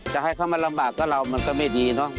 จะให้เขามาลำบากก็เรามันก็ไม่ดีเนอะ